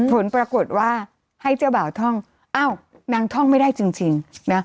ผลปรากฏว่าให้เจ้าบ่าวท่องอ้าวนางท่องไม่ได้จริงนะ